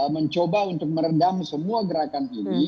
mencoba untuk meredam semua gerakan ini